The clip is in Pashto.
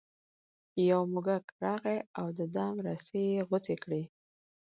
یو موږک راغی او د دام رسۍ یې غوڅې کړې.